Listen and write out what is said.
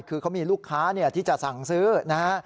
คือเขามีลูกค้าที่จะสั่งซื้อนะฮะ